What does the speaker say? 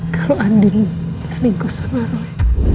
kalau andin selingkuh sama roy